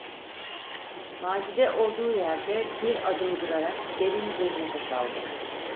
Macide olduğu yerde bir adım durarak derin bir nefes aldı.